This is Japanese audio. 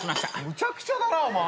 むちゃくちゃだなお前。